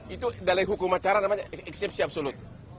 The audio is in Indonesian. itu dari hukum acara namanya eksipsi absolut